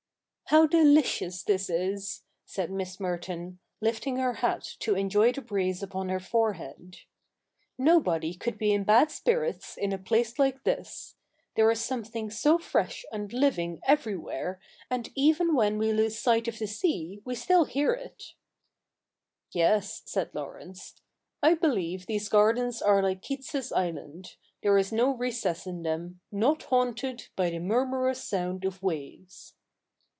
' How delicious this is !' said Miss Merton, lifting her hat to enjoy the breeze upon her forehead. ' Nobody could be in bad spirits in a place like this. There is something so fresh and living everywhere, and even when we lose sight of the sea we still hear it.' ' Yes,' said Laurence. ' I believe these gardens are like Keats's island. There is no recess in them Not haunted by the murmurous sound of waves.'